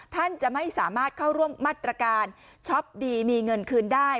ท่านจะไม่สามารถเข้าร่วมมาตรการช็อปดีมีเงินคืนได้